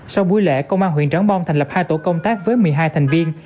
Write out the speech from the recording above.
sau buổi lễ công an huyện trắng bom thành lập hai tổ công tác với một mươi hai thành viên